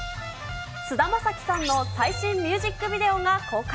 菅田将暉さんの最新ミュージックビデオが公開。